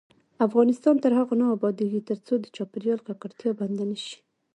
افغانستان تر هغو نه ابادیږي، ترڅو د چاپیریال ککړتیا بنده نشي.